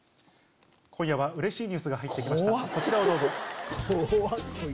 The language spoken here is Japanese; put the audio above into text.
今夜はうれしいニュースが入って来ましたこちらをどうぞ。